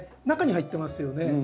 中に入ってますよね。